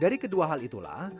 dari kedua hal itulah